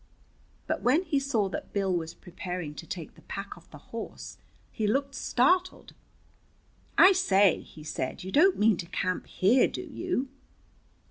But when he saw that Bill was preparing to take the pack off the horse he looked startled. "I say," he said, "you don't mean to camp here, do you?"